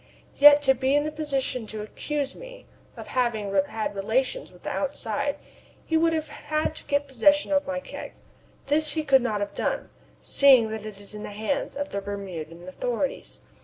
Yet to be in the position to accuse me of having had relations with the outside he would have had to get possession of my keg. This he could not have done, seeing that it is in the hands of the Bermudan authorities.